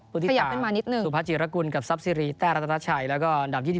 ปุฏิศาสตร์สุพจิรกุลกับทรัพย์ซิริแต้รัตนาชัยขยับไปมานิดหนึ่ง